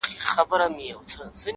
o د جهنم منځ کي د اوسپني زنځیر ویده دی،